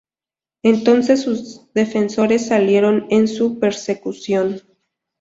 Entonces sus defensores salieron en su persecución.